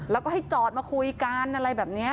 แล้วก็ให้จอดมาคุยกันอะไรแบบนี้